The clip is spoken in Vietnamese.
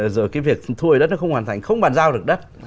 rồi cái việc thu hồi đất nó không hoàn thành không bàn giao được đất